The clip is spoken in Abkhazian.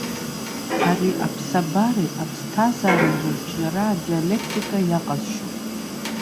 Ари аԥсабареи аԥсҭазаареи рырҿиара адиалектика иаҟазшьоуп.